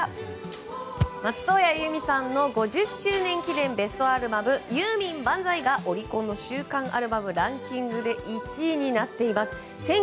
松任谷由実さんの５０周年記念ベストアルバム「ユーミン万歳！」がオリコン週間アルバムランキングランキング１位になっています。